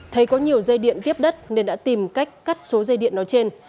thấy có nhiều dây điện tiếp đất nên đã tìm cách cắt số dây điện nói trên